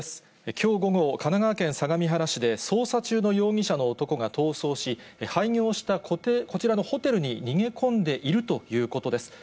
きょう午後、神奈川県相模原市で捜査中の容疑者の男が逃走し、廃業した、こちらのホテルに逃げ込んでいるということです。